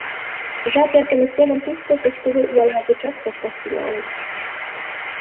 Жап эртыме семын тушко пошкудо ялла гычат кошташ тӱҥалыныт.